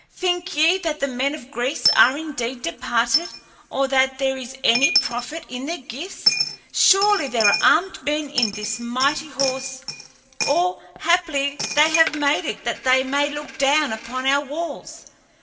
Think ye that the men of Greece are indeed departed or that there is any profit in their gifts? Surely there are armed men in this mighty horse; or haply they have made it that they may look down upon our walls.